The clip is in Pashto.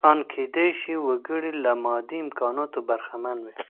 ان کېدای شي وګړی له مادي امکاناتو برخمن وي.